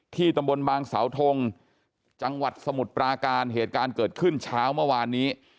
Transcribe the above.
ตำบลบางสาวทงจังหวัดสมุทรปราการเหตุการณ์เกิดขึ้นเช้าเมื่อวานนี้